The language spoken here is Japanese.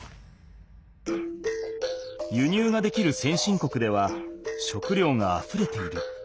輸入ができる先進国では食料があふれている。